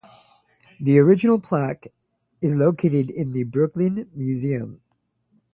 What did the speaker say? The original plaque is located in the Brooklyn Museum.